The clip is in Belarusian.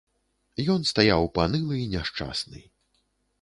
Ён стаяў панылы і няшчасны.